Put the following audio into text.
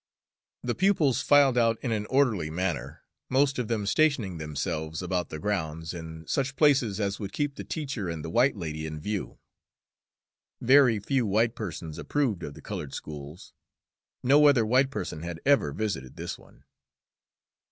The pupils filed out in an orderly manner, most of them stationing themselves about the grounds in such places as would keep the teacher and the white lady in view. Very few white persons approved of the colored schools; no other white person had ever visited this one.